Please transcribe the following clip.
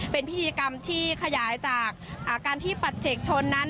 เป็นพิธีกรรมที่ขยายจากการที่ปัจเจกชนนั้น